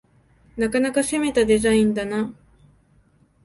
なかなか攻めたデザインだな